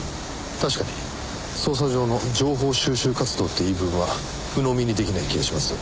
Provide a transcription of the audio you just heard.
確かに捜査上の情報収集活動って言い分は鵜呑みに出来ない気がします。